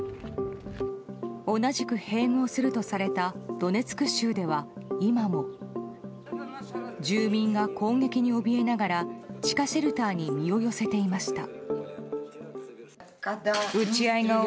同じく併合するとされたドネツク州では今も住民が攻撃におびえながら地下シェルターに身を寄せていました。